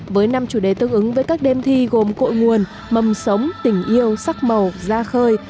với năm chủ đề tương ứng với các đêm thi gồm cội nguồn mầm sống tình yêu sắc màu gia khơi